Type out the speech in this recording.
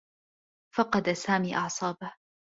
فقد سامي أعصابه.